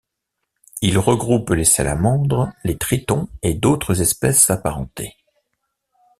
Il regroupe les salamandres, les tritons et d'autres espèces apparentées.